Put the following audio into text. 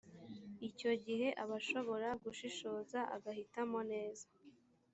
icyo gihe aba ashobora gushishoza agahitamo neza